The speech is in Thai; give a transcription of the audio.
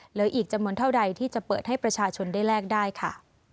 เหลืออีกจำนวนเท่าใดที่จะเปิดให้ประชาชนได้แลกได้ค่ะ